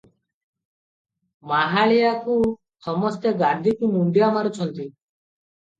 ମାହାଳିଆକୁ ସମସ୍ତେ ଗାଦିକୁ ମୁଣ୍ତିଆ ମାରୁଛନ୍ତି?